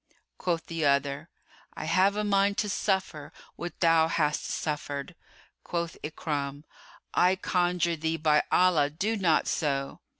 Quoth the other, "I have a mind to suffer what thou hast suffered." Quoth Ikrimah, "I conjure thee by Allah, do not so!"